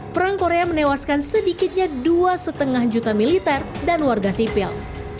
pada seribu sembilan ratus lima puluh tiga perang korea menewaskan sedikitnya dua lima juta militer dan warga sipil